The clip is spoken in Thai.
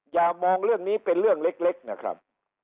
อย่ามองเรื่องนี้เป็นเรื่องเล็กนะครับ